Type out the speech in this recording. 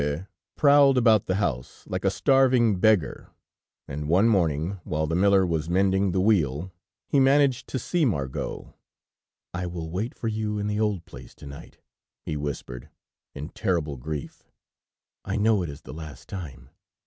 ] Tiennou prowled about the house, like a starving beggar, and one morning, while the miller was mending the wheel, he managed to see Margot. "I will wait for you in the old place to night," he whispered, in terrible grief. "I know it is the last time